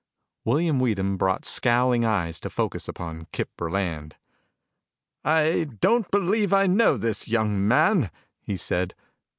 William Weedham brought scowling eyes to focus upon Kip Burland. "I don't believe I know this young man," he said.